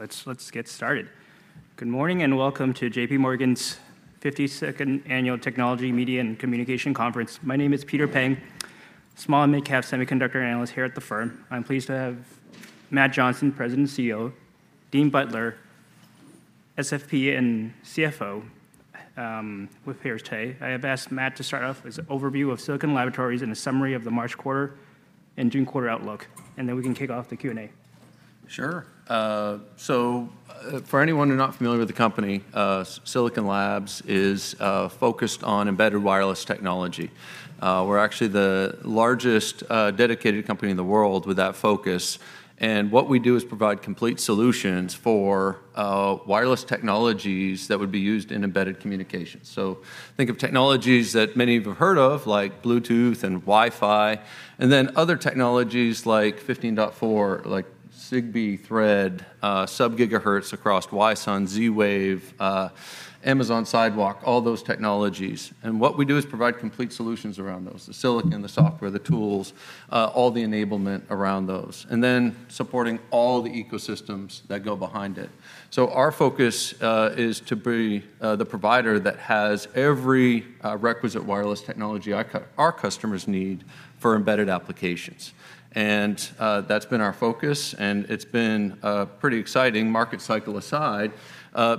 Okay, let's get started. Good morning, and welcome to JPMorgan's 52nd Annual Technology, Media, and Communication Conference. My name is Peter Peng, small and mid-cap semiconductor analyst here at the firm. I'm pleased to have Matt Johnson, President and CEO, Dean Butler, SVP and CFO, with here today. I have asked Matt to start off with an overview of Silicon Laboratories and a summary of the March quarter and June quarter outlook, and then we can kick off the Q&A. Sure. So, for anyone who's not familiar with the company, Silicon Labs is focused on embedded wireless technology. We're actually the largest dedicated company in the world with that focus, and what we do is provide complete solutions for wireless technologies that would be used in embedded communications. So think of technologies that many have heard of, like Bluetooth and Wi-Fi, and then other technologies like 15.4, like Zigbee, Thread, sub-gigahertz across Wi-SUN, Z-Wave, Amazon Sidewalk, all those technologies. And what we do is provide complete solutions around those, the silicon, the software, the tools, all the enablement around those, and then supporting all the ecosystems that go behind it. So our focus is to be the provider that has every requisite wireless technology our customers need for embedded applications. That's been our focus, and it's been pretty exciting, market cycle aside,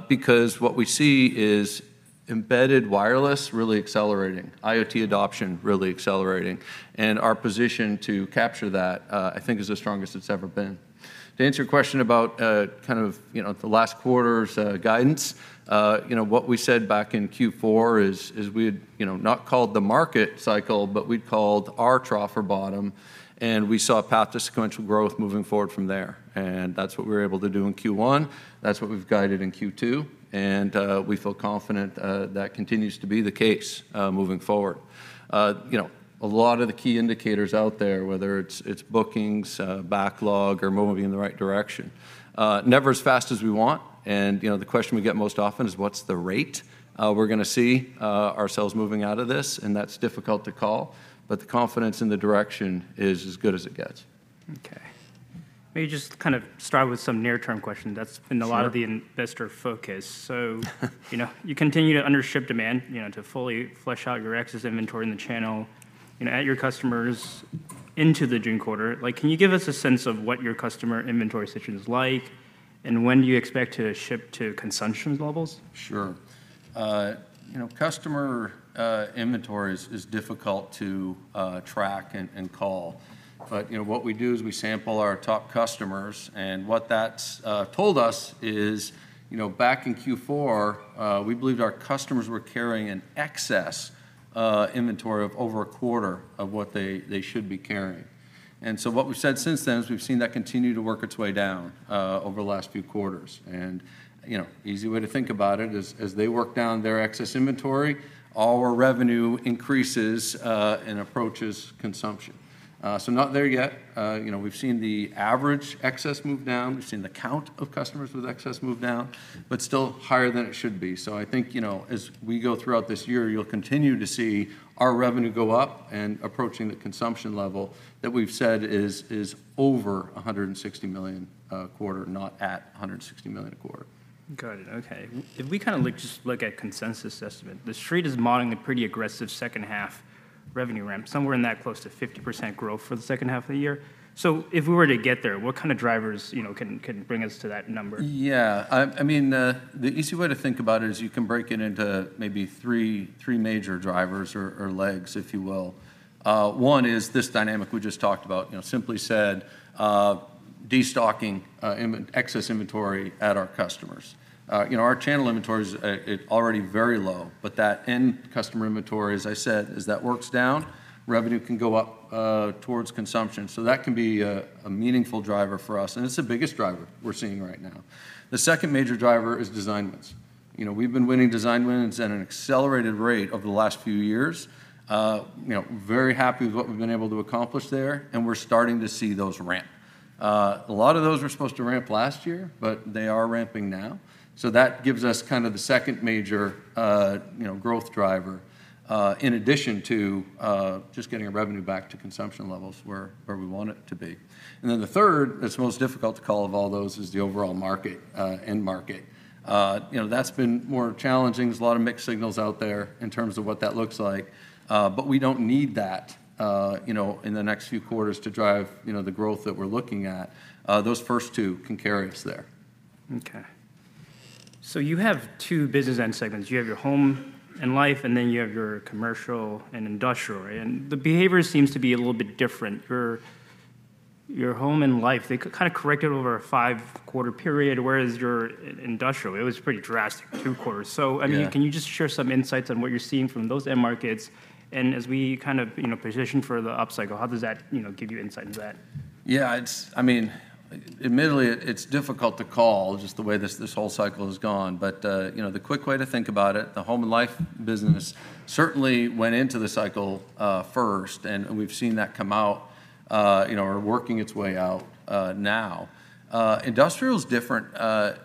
because what we see is embedded wireless really accelerating, IoT adoption really accelerating, and our position to capture that, I think is the strongest it's ever been. To answer your question about kind of, you know, the last quarter's guidance, you know, what we said back in Q4 is we'd, you know, not called the market cycle, but we'd called our trough or bottom, and we saw a path to sequential growth moving forward from there and that's what we were able to do in Q1, that's what we've guided in Q2, and we feel confident that continues to be the case moving forward. You know, a lot of the key indicators out there, whether it's, it's bookings, backlog, are moving in the right direction. Never as fast as we want, and, you know, the question we get most often is: What's the rate we're gonna see ourselves moving out of this? And that's difficult to call, but the confidence in the direction is as good as it gets. Okay. Let me just kind of start with some near-term question Sure. That's been a lot of the investor focus. So, you know, you continue to under-ship demand, you know, to fully flush out your excess inventory in the channel and at your customers into the June quarter. Like, can you give us a sense of what your customer inventory situation is like, and when do you expect to ship to consumption levels? Sure. You know, customer inventory is difficult to track and call, but you know, what we do is we sample our top customers, and what that's told us is, you know, back in Q4, we believed our customers were carrying an excess inventory of over a quarter of what they should be carrying. And so what we've said since then is we've seen that continue to work its way down over the last few quarters. And you know, easy way to think about it is, as they work down their excess inventory, our revenue increases and approaches consumption. So not there yet. You know, we've seen the average excess move down, we've seen the count of customers with excess move down, but still higher than it should be. So I think, you know, as we go throughout this year, you'll continue to see our revenue go up and approaching the consumption level that we've said is, is over $160 million quarter, not at $160 million a quarter. Got it. Okay. If we kind of look, just look at consensus estimate, the Street is modeling a pretty aggressive second-half revenue ramp, somewhere in that close to 50% growth for the second half of the year. So if we were to get there, what kind of drivers, you know, can, can bring us to that number? Yeah. I mean, the easy way to think about it is you can break it into maybe three major drivers or legs, if you will. One is this dynamic we just talked about, you know, simply said, destocking, excess inventory at our customers. You know, our channel inventory is already very low, but that end customer inventory, as I said, as that works down, revenue can go up towards consumption. So that can be a meaningful driver for us, and it's the biggest driver we're seeing right now. The second major driver is design wins. You know, we've been winning design wins at an accelerated rate over the last few years. You know, very happy with what we've been able to accomplish there, and we're starting to see those ramp. A lot of those were supposed to ramp last year, but they are ramping now, so that gives us kind of the second major, you know, growth driver, in addition to, just getting our revenue back to consumption levels where, where we want it to be. And then the third, it's the most difficult to call of all those, is the overall market, end market. You know, that's been more challenging. There's a lot of mixed signals out there in terms of what that looks like, but we don't need that, you know, in the next few quarters to drive, you know, the growth that we're looking at. Those first two can carry us there. Okay. So you have two business end segments. You have your home and life, and then you have your commercial and industrial, right? And the behavior seems to be a little bit different. Your home and life, they kind of corrected over a five-quarter period, whereas your industrial, it was pretty drastic two quarters. Yeah. I mean, can you just share some insights on what you're seeing from those end markets? As we kind of, you know, position for the upcycle, how does that, you know, give you insight into that? Yeah, it's I mean, admittedly, it's difficult to call, just the way this whole cycle has gone. But, you know, the quick way to think about it, the home and life business certainly went into the cycle first, and we've seen that come out, you know, or working its way out now. Industrial is different.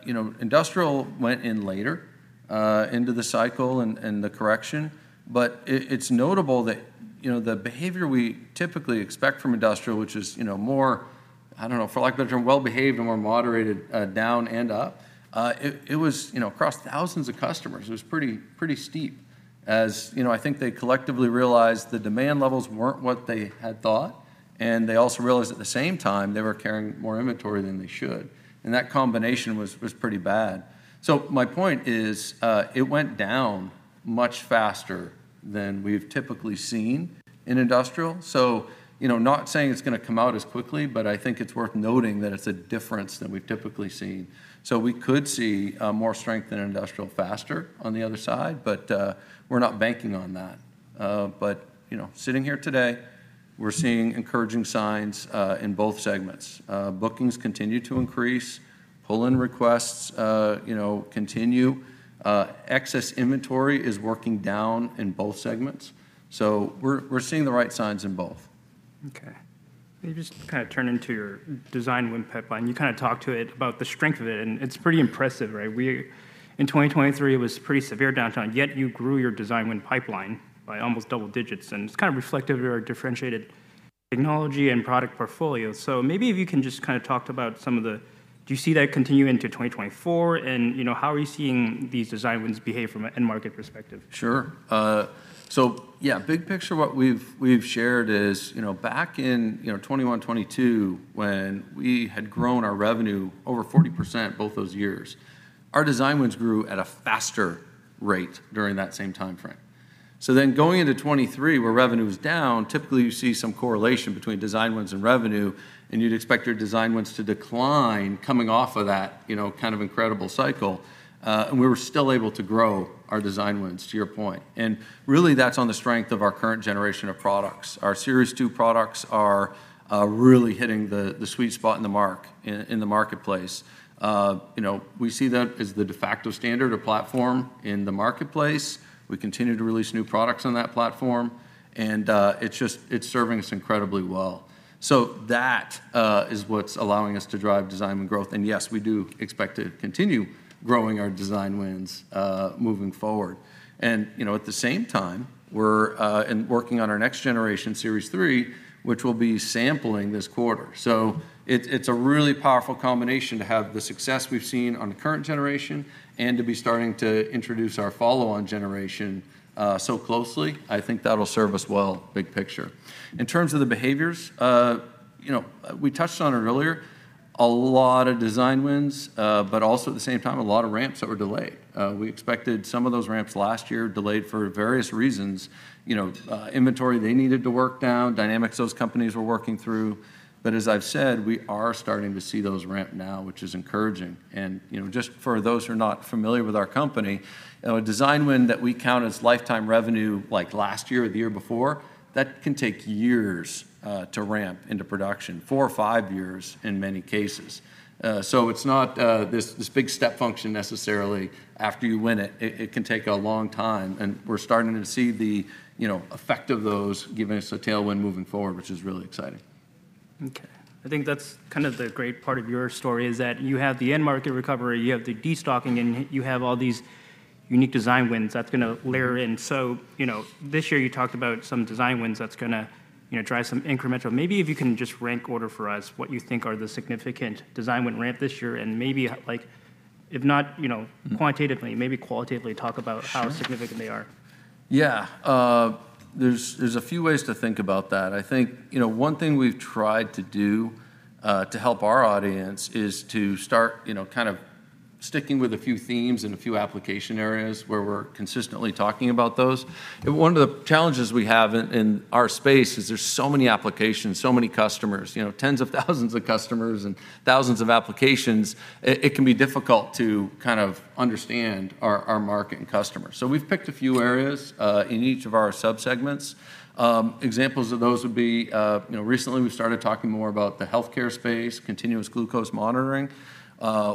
You know, industrial went in later into the cycle and the correction. But it's notable that, you know, the behavior we typically expect from industrial, which is, you know, more, I don't know, for lack of a better term, well-behaved and more moderated down and up. It was, you know, across thousands of customers. It was pretty steep. As you know, I think they collectively realized the demand levels weren't what they had thought, and they also realized at the same time they were carrying more inventory than they should, and that combination was pretty bad. So my point is, it went down much faster than we've typically seen in industrial. So, you know, not saying it's gonna come out as quickly, but I think it's worth noting that it's a difference than we've typically seen. So we could see more strength in industrial faster on the other side, but, we're not banking on that. But, you know, sitting here today, we're seeing encouraging signs in both segments. Bookings continue to increase, pull-in requests, you know, continue. Excess inventory is working down in both segments, so we're seeing the right signs in both. Okay. Let me just kind of turn into your design win pipeline. You kind of talked to it, about the strength of it, and it's pretty impressive, right? In 2023, it was pretty severe downturn, yet you grew your design win pipeline by almost double digits, and it's kind of reflective of your differentiated technology and product portfolio. So maybe if you can just kind of talk about some of the... Do you see that continuing into 2024? And, you know, how are you seeing these design wins behave from an end market perspective? Sure. So yeah, big picture, what we've shared is, you know, back in 2021, 2022, when we had grown our revenue over 40% both those years, our design wins grew at a faster rate during that same timeframe. So then, going into 2023, where revenue is down, typically you see some correlation between design wins and revenue, and you'd expect your design wins to decline coming off of that, you know, kind of incredible cycle. And we were still able to grow our design wins, to your point. And really, that's on the strength of our current generation of products. Our Series 2 products are really hitting the sweet spot in the marketplace. You know, we see that as the de facto standard or platform in the marketplace. We continue to release new products on that platform, and, it's just, it's serving us incredibly well. So that is what's allowing us to drive design win growth. And yes, we do expect to continue growing our design wins, moving forward. And, you know, at the same time, we're working on our next generation, Series 3, which we'll be sampling this quarter. So it's a really powerful combination to have the success we've seen on the current generation and to be starting to introduce our follow-on generation, so closely. I think that'll serve us well, big picture. In terms of the bookings, you know, we touched on it earlier, a lot of design wins, but also at the same time, a lot of ramps that were delayed. We expected some of those ramps last year, delayed for various reasons, you know, inventory they needed to work down, dynamics those companies were working through. But as I've said, we are starting to see those ramp now, which is encouraging. And, you know, just for those who are not familiar with our company, a design win that we count as lifetime revenue, like last year or the year before, that can take years, to ramp into production, four or five years in many cases. So it's not, this, this big step function necessarily after you win it. It, it can take a long time, and we're starting to see the, you know, effect of those giving us a tailwind moving forward, which is really exciting. Okay. I think that's kind of the great part of your story, is that you have the end market recovery, you have the destocking, and you have all these unique design wins that's gonna layer in. So, you know, this year you talked about some design wins that's gonna, you know, drive some incremental... Maybe if you can just rank order for us what you think are the significant design win ramp this year, and maybe, like, if not, you know, quantitatively, maybe qualitatively talk about- Sure how significant they are. Yeah, there's a few ways to think about that. I think, you know, one thing we've tried to do to help our audience is to start, you know, kind of sticking with a few themes and a few application areas where we're consistently talking about those. One of the challenges we have in our space is there's so many applications, so many customers, you know, tens of thousands of customers and thousands of applications. It can be difficult to kind of understand our market and customers. So we've picked a few areas in each of our subsegments. Examples of those would be, you know, recently we started talking more about the healthcare space, continuous glucose monitoring,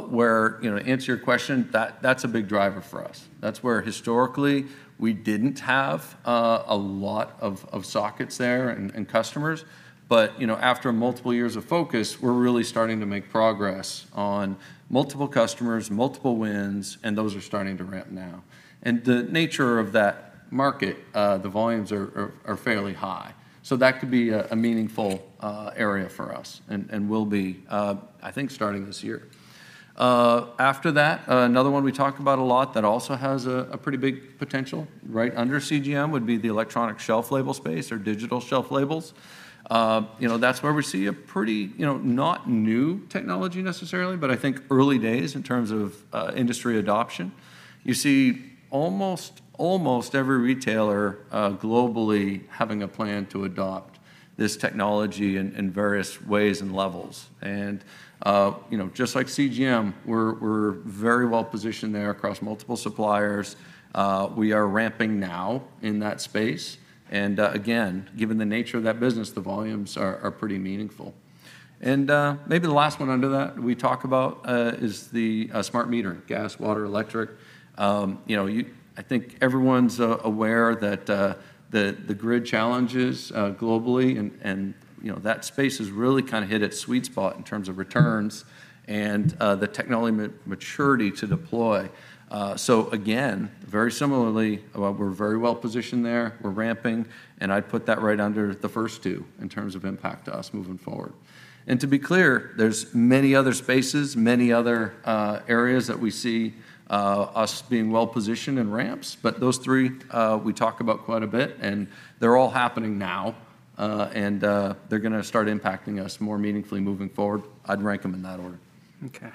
where, you know, to answer your question, that's a big driver for us. That's where historically we didn't have a lot of sockets there and customers. But, you know, after multiple years of focus, we're really starting to make progress on multiple customers, multiple wins, and those are starting to ramp now. And the nature of that market, the volumes are fairly high. So that could be a meaningful area for us and will be, I think, starting this year. After that, another one we talk about a lot that also has a pretty big potential, right under CGM, would be the electronic shelf label space or digital shelf labels. You know, that's where we see a pretty, you know, not new technology necessarily, but I think early days in terms of industry adoption. You see almost every retailer globally having a plan to adopt this technology in various ways and levels. And, you know, just like CGM, we're very well positioned there across multiple suppliers. We are ramping now in that space, and, again, given the nature of that business, the volumes are pretty meaningful. And, maybe the last one under that we talk about is the smart meter, gas, water, electric. You know, I think everyone's aware that the grid challenges globally and, you know, that space has really kind of hit its sweet spot in terms of returns... and the technology maturity to deploy. So again, very similarly, while we're very well positioned there, we're ramping, and I'd put that right under the first two in terms of impact to us moving forward. And to be clear, there's many other spaces, many other, areas that we see, us being well positioned in ramps, but those three, we talk about quite a bit, and they're all happening now. And they're gonna start impacting us more meaningfully moving forward. I'd rank them in that order. Okay.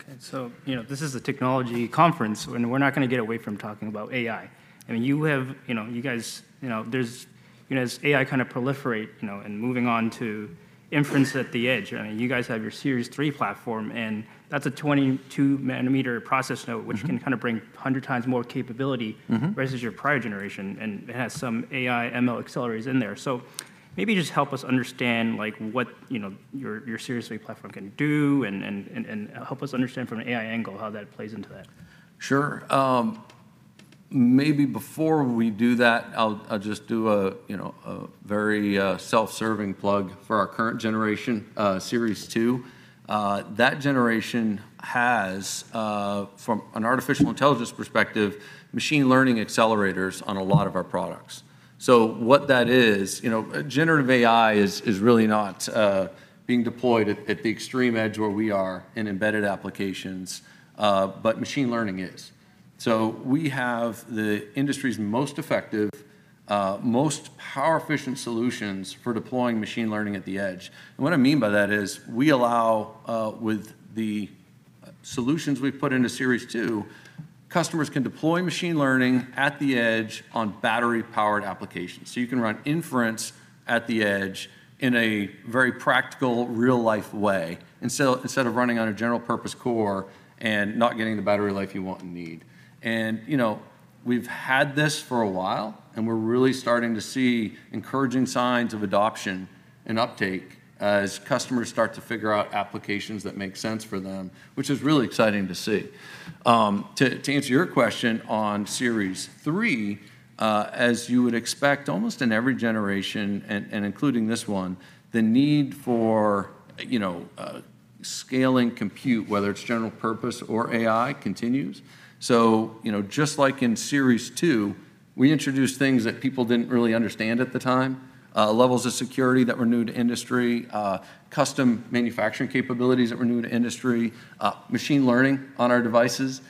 Okay, so, you know, this is a technology conference, and we're not gonna get away from talking about AI. I mean, you have, you know, you guys, you know, there's, you know, as AI kind of proliferate, you know, and moving on to inference at the edge, I mean, you guys have your Series 3 platform, and that's a 22 nanometer process node which can kind of bring 100 times more capability versus your prior generation, and it has some AI/ML accelerators in there. So maybe just help us understand, like, what, you know, your Series 3 platform can do, and help us understand from an AI angle how that plays into that. Sure. Maybe before we do that, I'll just do a, you know, a very self-serving plug for our current generation, Series 2. That generation has, from an artificial intelligence perspective, machine learning accelerators on a lot of our products. So what that is, you know, generative AI is really not being deployed at the extreme edge where we are in embedded applications, but machine learning is. So we have the industry's most effective, most power-efficient solutions for deploying machine learning at the edge. And what I mean by that is, we allow, with the solutions we've put into Series 2, customers can deploy machine learning at the edge on battery-powered applications. So you can run inference at the edge in a very practical, real-life way, instead of running on a general purpose core and not getting the battery life you want and need. And, you know, we've had this for a while, and we're really starting to see encouraging signs of adoption and uptake as customers start to figure out applications that make sense for them, which is really exciting to see. To answer your question on Series 3, as you would expect, almost in every generation, and including this one, the need for, you know, scaling compute, whether it's general purpose or AI, continues. So, you know, just like in Series 2, we introduced things that people didn't really understand at the time, levels of security that were new to industry, custom manufacturing capabilities that were new to industry, machine learning on our devices.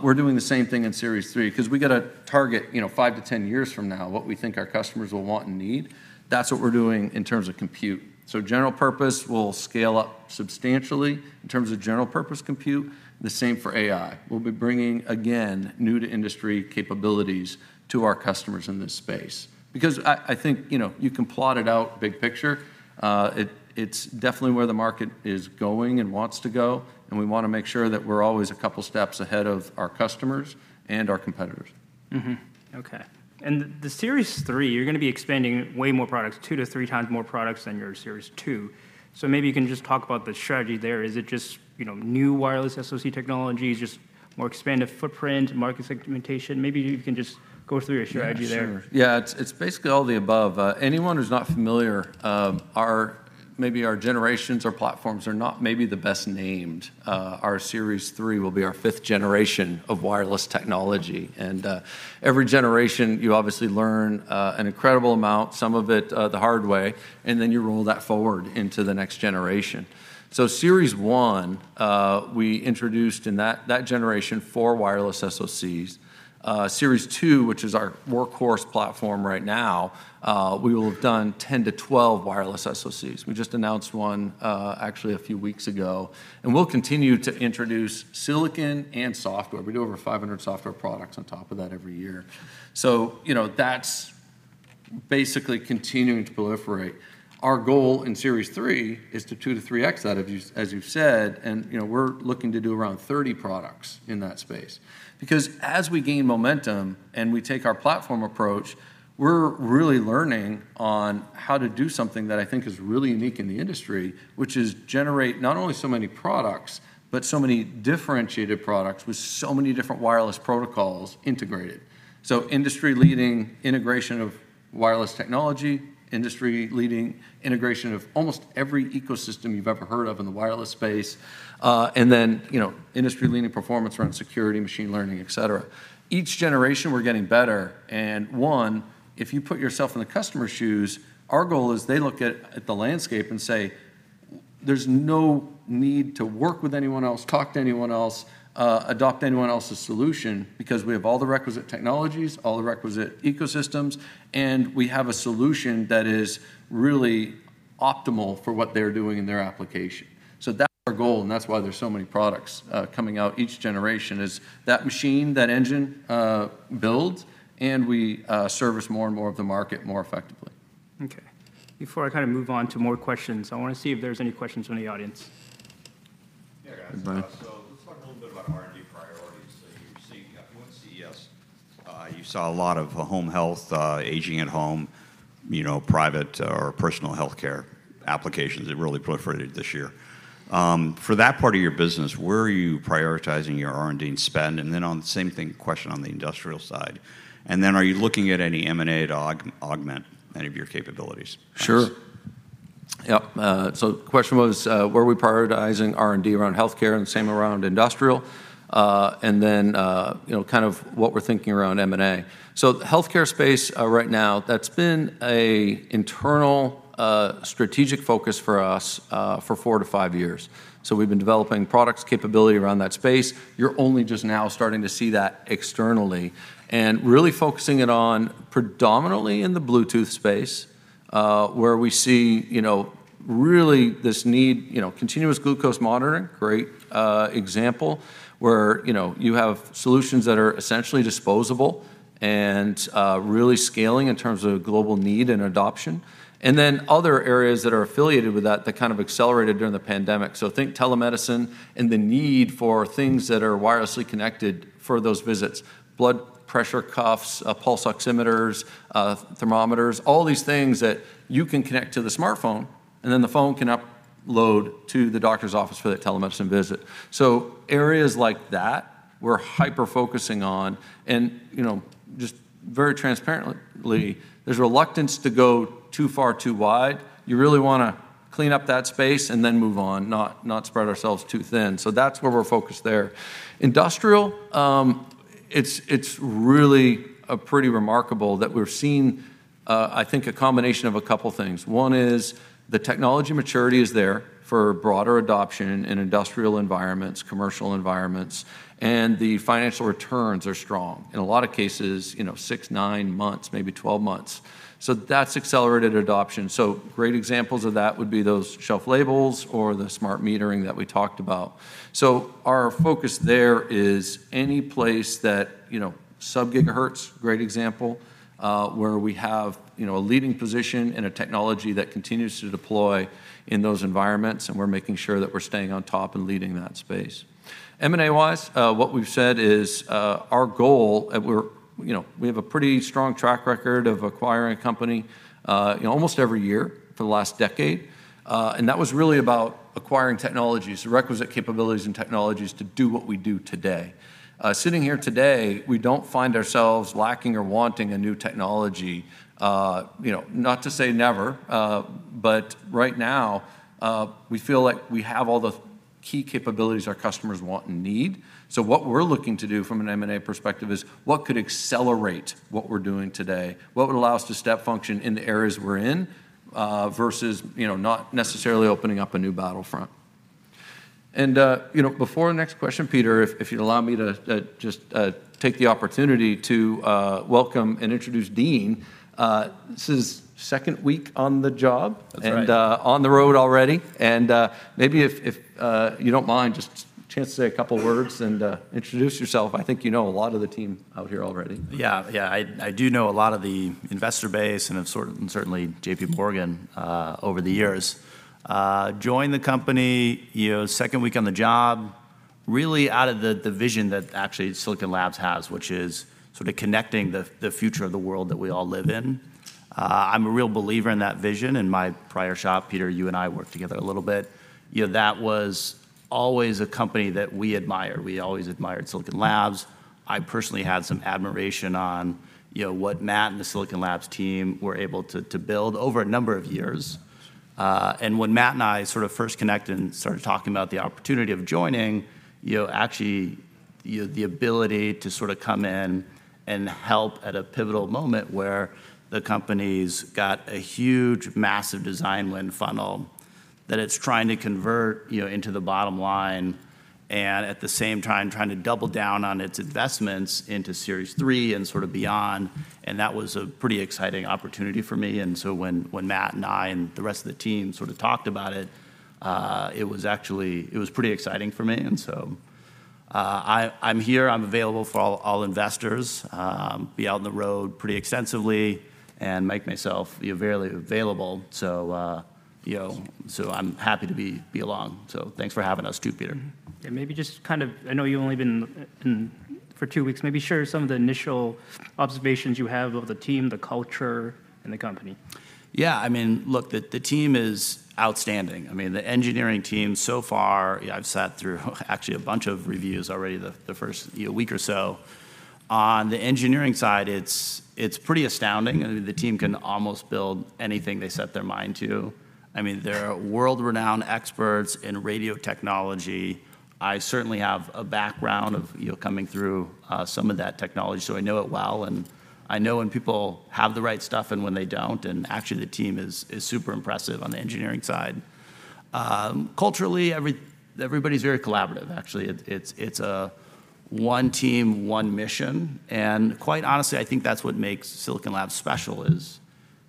We're doing the same thing in Series 3, 'cause we've got to target, you know, 5-10 years from now what we think our customers will want and need. That's what we're doing in terms of compute. So general purpose will scale up substantially in terms of general purpose compute. The same for AI. We'll be bringing, again, new-to-industry capabilities to our customers in this space. Because I think, you know, you can plot it out big picture, it’s definitely where the market is going and wants to go, and we want to make sure that we’re always a couple steps ahead of our customers and our competitors. Okay. The Series 3, you're gonna be expanding way more products, 2-3 times more products than your Series 2. So maybe you can just talk about the strategy there. Is it just, you know, new wireless SoC technologies, just more expanded footprint, market segmentation? Maybe you can just go through your strategy there. Sure. Yeah, it's, it's basically all the above. Anyone who's not familiar, our maybe our generations or platforms are not maybe the best named. Our Series 3 will be our fifth generation of wireless technology, and every generation, you obviously learn an incredible amount, some of it the hard way, and then you roll that forward into the next generation. So Series 1, we introduced in that generation, 4 wireless SoCs. Series 2, which is our workhorse platform right now, we will have done 10-12 wireless SoCs. We just announced one actually a few weeks ago, and we'll continue to introduce silicon and software. We do over 500 software products on top of that every year. So, you know, that's basically continuing to proliferate. Our goal in Series 3 is to 2-3x that, as you've, as you've said, and, you know, we're looking to do around 30 products in that space. Because as we gain momentum and we take our platform approach, we're really learning on how to do something that I think is really unique in the industry, which is generate not only so many products, but so many differentiated products with so many different wireless protocols integrated. So industry-leading integration of wireless technology, industry-leading integration of almost every ecosystem you've ever heard of in the wireless space, and then, you know, industry-leading performance around security, machine learning, et cetera. Each generation, we're getting better, and one, if you put yourself in the customer's shoes, our goal is they look at the landscape and say, "There's no need to work with anyone else, talk to anyone else, adopt anyone else's solution," because we have all the requisite technologies, all the requisite ecosystems, and we have a solution that is really optimal for what they're doing in their application. So that's our goal, and that's why there's so many products coming out each generation, is that machine, that engine, builds, and we service more and more of the market more effectively. Okay. Before I kind of move on to more questions, I want to see if there's any questions from the audience. Yeah, guys. Bye. So let's talk a little bit about R&D priorities that you're seeing. At CES, you saw a lot of home health, aging at home, you know, private or personal healthcare applications that really proliferated this year. For that part of your business, where are you prioritizing your R&D and spend? And then on the same thing, question on the industrial side. And then, are you looking at any M&A to augment any of your capabilities? Sure. Yep, so the question was, where are we prioritizing R&D around healthcare and the same around industrial? And then, you know, kind of what we're thinking around M&A. So the healthcare space, right now, that's been an internal strategic focus for us, for 4-5 years. So we've been developing products capability around that space. You're only just now starting to see that externally and really focusing it on predominantly in the Bluetooth space, where we see, you know, really this need, you know, Continuous Glucose Monitoring, great example, where, you know, you have solutions that are essentially disposable and really scaling in terms of global need and adoption, and then other areas that are affiliated with that, that kind of accelerated during the pandemic. So think telemedicine and the need for things that are wirelessly connected for those visits: blood pressure cuffs, pulse oximeters, thermometers, all these things that you can connect to the smartphone, and then the phone can upload to the doctor's office for that telemedicine visit. So areas like that, we're hyper-focusing on, and, you know, just very transparently, there's reluctance to go too far, too wide. You really wanna clean up that space and then move on, not, not spread ourselves too thin. So that's where we're focused there. Industrial, it's really pretty remarkable that we're seeing, I think a combination of a couple things. One is the technology maturity is there for broader adoption in industrial environments, commercial environments, and the financial returns are strong. In a lot of cases, you know, six, nine months, maybe 12 months. So that's accelerated adoption. So great examples of that would be those shelf labels or the smart metering that we talked about. So our focus there is any place that, you know, sub-gigahertz, great example, where we have, you know, a leading position in a technology that continues to deploy in those environments, and we're making sure that we're staying on top and leading that space. M&A-wise, what we've said is, our goal, and we're, you know, we have a pretty strong track record of acquiring a company, you know, almost every year for the last decade, and that was really about acquiring technologies, the requisite capabilities and technologies to do what we do today. Sitting here today, we don't find ourselves lacking or wanting a new technology, you know, not to say never, but right now, we feel like we have all the key capabilities our customers want and need. So what we're looking to do from an M&A perspective is, what could accelerate what we're doing today? What would allow us to step function in the areas we're in, versus, you know, not necessarily opening up a new battlefront? And, you know, before the next question, Peter, if you'd allow me to just take the opportunity to welcome and introduce Dean. This is second week on the job? That's right. On the road already. Maybe if you don't mind, just a chance to say a couple of words and introduce yourself. I think you know a lot of the team out here already. Yeah. Yeah, I do know a lot of the investor base and of sorts, and certainly JPMorgan over the years. Joined the company, you know, second week on the job, really out of the vision that actually Silicon Labs has, which is sort of connecting the future of the world that we all live in. I'm a real believer in that vision. In my prior shop, Peter, you and I worked together a little bit. You know, that was always a company that we admired. We always admired Silicon Labs. I personally had some admiration on, you know, what Matt and the Silicon Labs team were able to build over a number of years. And when Matt and I sort of first connected and started talking about the opportunity of joining, you know, actually, you know, the ability to sort of come in and help at a pivotal moment where the company's got a huge, massive design win funnel that it's trying to convert, you know, into the bottom line, and at the same time, trying to double down on its investments into series three and sort of beyond, and that was a pretty exciting opportunity for me. And so when Matt and I and the rest of the team sort of talked about it, it was actually, it was pretty exciting for me, and so, I'm here. I'm available for all, all investors. Be out on the road pretty extensively and make myself, you know, available, available. So, you know, so I'm happy to be along. So thanks for having us too, Peter. Yeah, maybe just kind of I know you've only been in for two weeks, maybe share some of the initial observations you have of the team, the culture, and the company? Yeah, I mean, look, the team is outstanding. I mean, the engineering team so far, I've sat through actually a bunch of reviews already, the first, you know, week or so. On the engineering side, it's pretty astounding. I mean, the team can almost build anything they set their mind to. I mean, they're world-renowned experts in radio technology. I certainly have a background of, you know, coming through some of that technology, so I know it well, and I know when people have the right stuff and when they don't, and actually, the team is super impressive on the engineering side. Culturally, everybody's very collaborative, actually. It's a one team, one mission, and quite honestly, I think that's what makes Silicon Labs special, is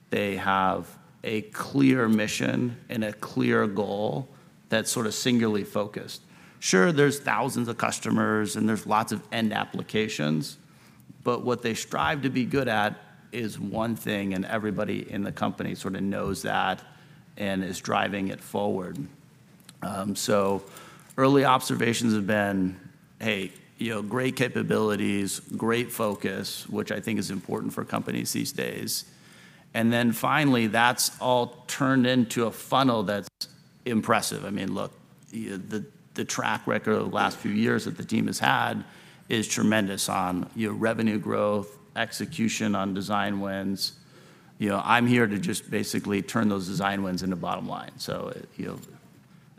they have a clear mission and a clear goal that's sort of singularly focused. Sure, there's thousands of customers, and there's lots of end applications, but what they strive to be good at is one thing, and everybody in the company sort of knows that and is driving it forward. So early observations have been, hey, you know, great capabilities, great focus, which I think is important for companies these days. And then finally, that's all turned into a funnel that's impressive. I mean, look, the track record of the last few years that the team has had is tremendous on, you know, revenue growth, execution on design wins. You know, I'm here to just basically turn those design wins into bottom line. So, you know,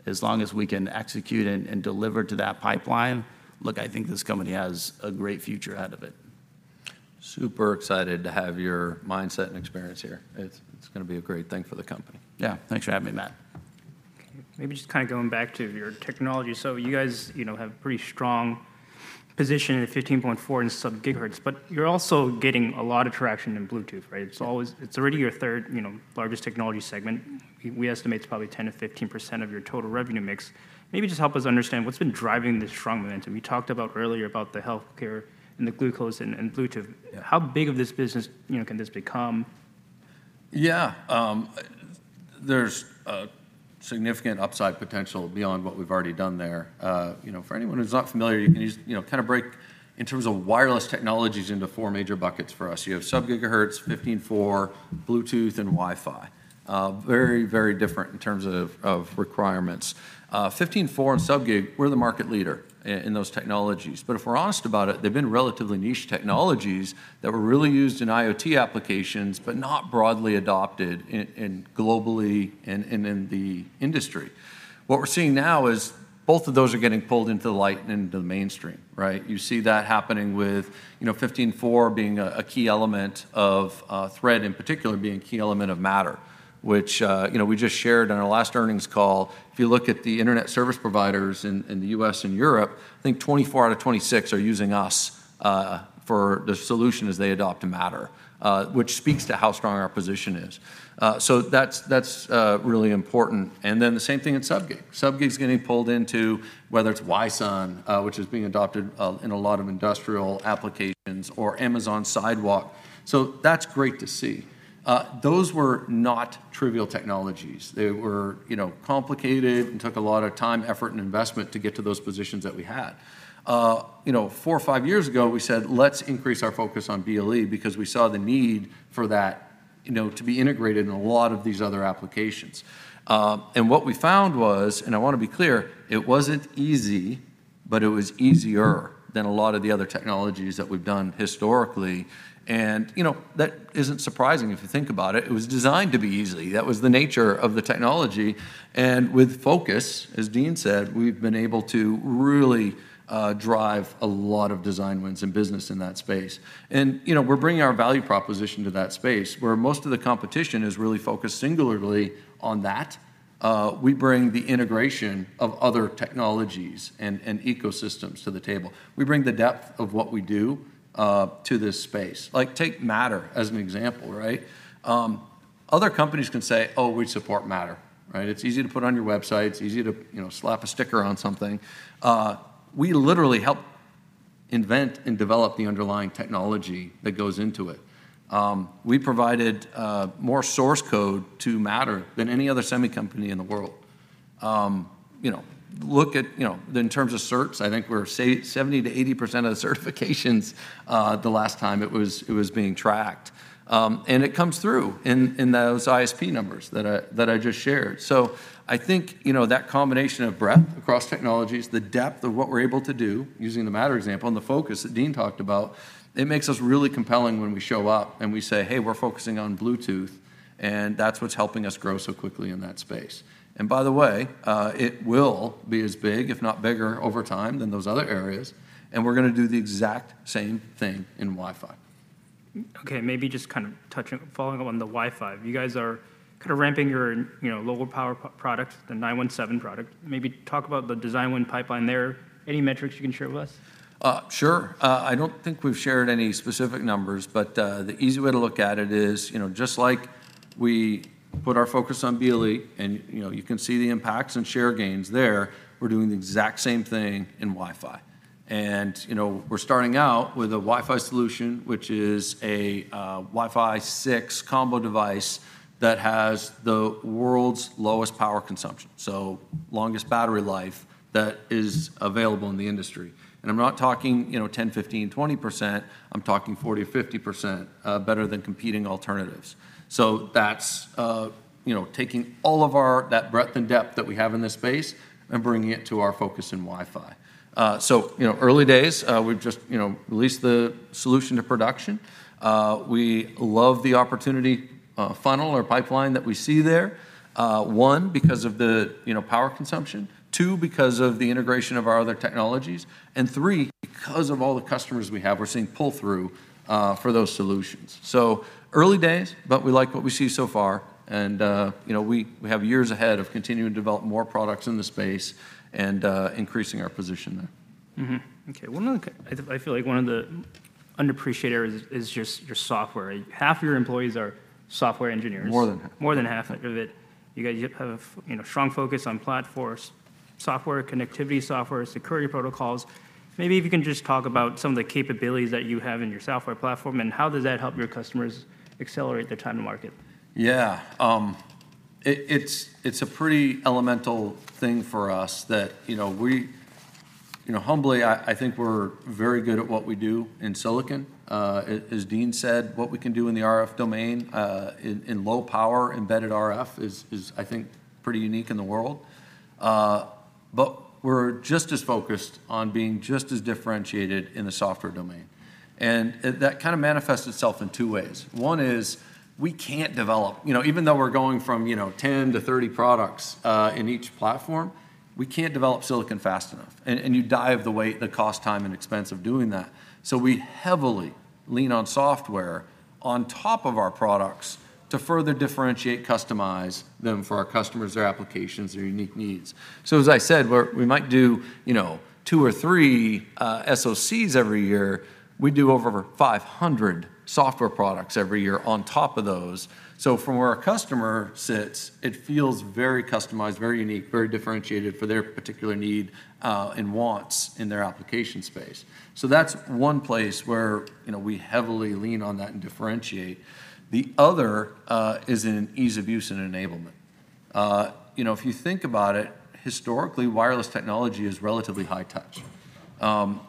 as long as we can execute and deliver to that pipeline, look, I think this company has a great future ahead of it. Super excited to have your mindset and experience here. It's gonna be a great thing for the company. Yeah. Thanks for having me, Matt. Okay, maybe just kind of going back to your technology. So you guys, you know, have pretty strong position in 15.4 and sub-gigahertz, but you're also getting a lot of traction in Bluetooth, right? It's already your third, you know, largest technology segment. We estimate it's probably 10%-15% of your total revenue mix. Maybe just help us understand, what's been driving this strong momentum? We talked about earlier about the healthcare and the glucose and Bluetooth. Yeah. How big of this business, you know, can this become? Yeah, there's a significant upside potential beyond what we've already done there. You know, for anyone who's not familiar, you can just, you know, kind of break in terms of wireless technologies into 4 major buckets for us. You have sub-gigahertz, 15.4, Bluetooth, and Wi-Fi. Very, very different in terms of requirements. Fifteen four and sub-gig, we're the market leader in those technologies, but if we're honest about it, they've been relatively niche technologies that were really used in IoT applications, but not broadly adopted in globally and in the industry. What we're seeing now is both of those are getting pulled into the light and into the mainstream, right? You see that happening with, you know, 15.4 being a key element of Thread, in particular, being a key element of Matter, which, you know, we just shared on our last earnings call. If you look at the internet service providers in the U.S. and Europe, I think 24 out of 26 are using us for the solution as they adopt to Matter, which speaks to how strong our position is. So that's really important. And then the same thing in sub-gig. Sub-gig's getting pulled into whether it's Wi-SUN, which is being adopted in a lot of industrial applications, or Amazon Sidewalk. So that's great to see. Those were not trivial technologies. They were, you know, complicated and took a lot of time, effort, and investment to get to those positions that we had. You know, four or five years ago, we said, "Let's increase our focus on BLE," because we saw the need for that, you know, to be integrated in a lot of these other applications. And what we found was, and I wanna be clear, it wasn't easy, but it was easier than a lot of the other technologies that we've done historically. And, you know, that isn't surprising, if you think about it. It was designed to be easy. That was the nature of the technology, and with focus, as Dean said, we've been able to really drive a lot of design wins and business in that space. And, you know, we're bringing our value proposition to that space, where most of the competition is really focused singularly on that, we bring the integration of other technologies and, and ecosystems to the table. We bring the depth of what we do to this space. Like, take Matter as an example, right? Other companies can say, "Oh, we support Matter," right? It's easy to put on your website. It's easy to, you know, slap a sticker on something. We literally helped invent and develop the underlying technology that goes into it. We provided more source code to Matter than any other semi company in the world. You know, look at, you know, in terms of certs, I think we're 70%-80% of the certifications, the last time it was being tracked. And it comes through in those ISP numbers that I just shared. So I think, you know, that combination of breadth across technologies, the depth of what we're able to do, using the Matter example, and the focus that Dean talked about, it makes us really compelling when we show up and we say, "Hey, we're focusing on Bluetooth," and that's what's helping us grow so quickly in that space. And by the way, it will be as big, if not bigger, over time than those other areas, and we're gonna do the exact same thing in Wi-Fi. Okay, maybe just kind of touching, following up on the Wi-Fi. You guys are kind of ramping your, you know, lower power products, the 917 product. Maybe talk about the design win pipeline there. Any metrics you can share with us? Sure. I don't think we've shared any specific numbers, but, the easy way to look at it is, you know, just like we put our focus on BLE, and, you know, you can see the impacts and share gains there, we're doing the exact same thing in Wi-Fi. And, you know, we're starting out with a Wi-Fi solution, which is a, Wi-Fi 6 combo device that has the world's lowest power consumption, so longest battery life that is available in the industry. And I'm not talking, you know, 10, 15, 20%. I'm talking 40%-50%, better than competing alternatives. So that's, you know, taking all of our that breadth and depth that we have in this space and bringing it to our focus in Wi-Fi. So, you know, early days, we've just, you know, released the solution to production. We love the opportunity, funnel or pipeline that we see there, one, because of the, you know, power consumption, two, because of the integration of our other technologies, and three, because of all the customers we have, we're seeing pull-through for those solutions. So early days, but we like what we see so far, and, you know, we, we have years ahead of continuing to develop more products in the space and, increasing our position there. Okay, one more. I feel like one of the underappreciated areas is just your software. Half of your employees are software engineers. More than half. More than half of it. You guys, you have a you know, strong focus on platform software, connectivity software, security protocols. Maybe if you can just talk about some of the capabilities that you have in your software platform, and how does that help your customers accelerate their time to market? Yeah, it's a pretty elemental thing for us that, you know, humbly, I think we're very good at what we do in silicon. As Dean said, what we can do in the RF domain, in low power embedded RF is, I think pretty unique in the world. But we're just as focused on being just as differentiated in the software domain, and that kind of manifests itself in two ways. One is we can't develop. You know, even though we're going from 10 to 30 products in each platform, we can't develop silicon fast enough, and you die of the weight, the cost, time, and expense of doing that. So we heavily lean on software on top of our products to further differentiate, customize them for our customers, their applications, their unique needs. So as I said, we might do, you know, 2 or 3 SoCs every year. We do over 500 software products every year on top of those. So from where a customer sits, it feels very customized, very unique, very differentiated for their particular need, and wants in their application space. So that's one place where, you know, we heavily lean on that and differentiate. The other is in ease of use and enablement. You know, if you think about it, historically, wireless technology is relatively high touch.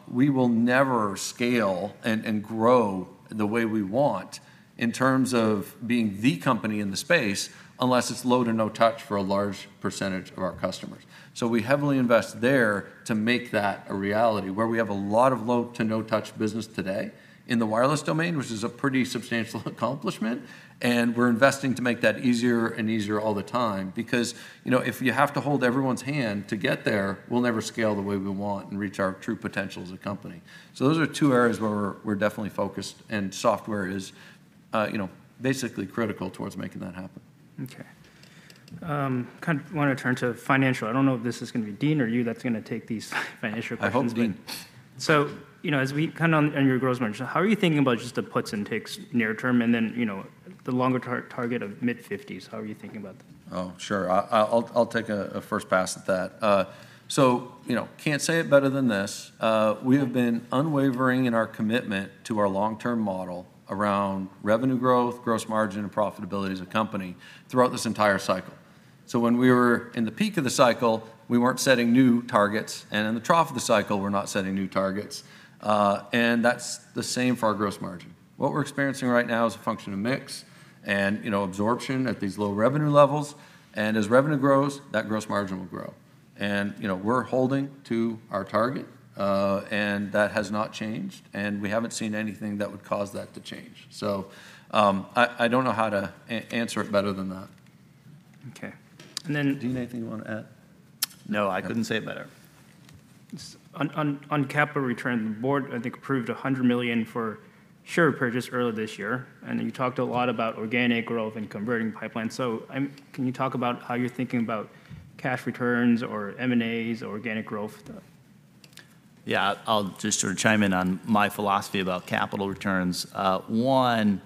We will never scale and grow the way we want in terms of being the company in the space, unless it's low to no touch for a large percentage of our customers. So we heavily invest there to make that a reality, where we have a lot of low to no touch business today in the wireless domain, which is a pretty substantial accomplishment, and we're investing to make that easier and easier all the time. Because, you know, if you have to hold everyone's hand to get there, we'll never scale the way we want and reach our true potential as a company. So those are two areas where we're definitely focused, and software is, you know, basically critical towards making that happen. Okay. Kind of wanna turn to financial. I don't know if this is gonna be Dean or you that's gonna take these financial questions. I hope Dean. So, you know, as we kind of on your gross margin, how are you thinking about just the puts and takes near term, and then, you know, the longer target of mid-fifties? How are you thinking about them? Oh, sure. I'll take a first pass at that. So, you know, can't say it better than this: We have been unwavering in our commitment to our long-term model around revenue growth, gross margin, and profitability as a company throughout this entire cycle. So when we were in the peak of the cycle, we weren't setting new targets, and in the trough of the cycle, we're not setting new targets. And that's the same for our gross margin. What we're experiencing right now is a function of mix and, you know, absorption at these low revenue levels, and as revenue grows, that gross margin will grow. And, you know, we're holding to our target, and that has not changed, and we haven't seen anything that would cause that to change. So, I don't know how to answer it better than that. Okay. And then Dean, anything you wanna add? No, I couldn't say it better. On capital return, the board, I think, approved $100 million for share purchase earlier this year, and you talked a lot about organic growth and converting pipeline. So, can you talk about how you're thinking about cash returns or M&As or organic growth? Yeah, I'll just sort of chime in on my philosophy about capital returns. One,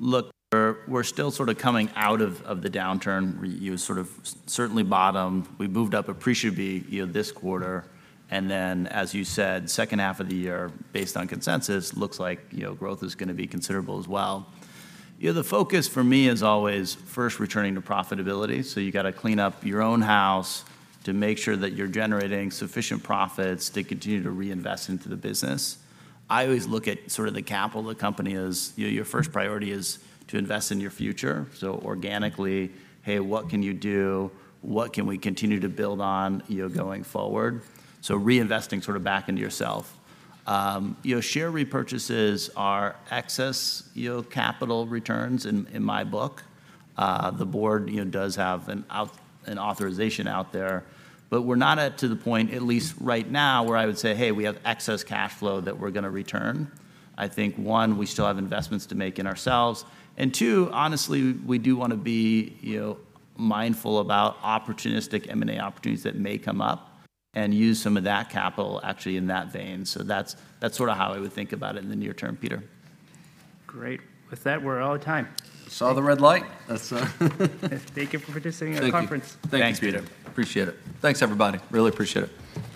look, we're still sort of coming out of the downturn. You sort of certainly bottomed. We moved up appreciably, you know, this quarter, and then, as you said, second half of the year, based on consensus, looks like, you know, growth is gonna be considerable as well. You know, the focus for me is always first returning to profitability, so you gotta clean up your own house to make sure that you're generating sufficient profits to continue to reinvest into the business. I always look at sort of the capital of the company as, you know, your first priority is to invest in your future. So organically, hey, what can you do? What can we continue to build on, you know, going forward? So reinvesting sort of back into yourself. You know, share repurchases are excess capital returns in my book. The board does have an authorization out there, but we're not at the point, at least right now, where I would say, "Hey, we have excess cash flow that we're gonna return." I think, one, we still have investments to make in ourselves, and two, honestly, we do wanna be, you know, mindful about opportunistic M&A opportunities that may come up and use some of that capital actually in that vein. So that's sort of how I would think about it in the near term, Peter. Great. With that, we're out of time. Saw the red light. That's, Thank you for participating in the conference. Thank you. Thanks, Peter. Appreciate it. Thanks, everybody. Really appreciate it.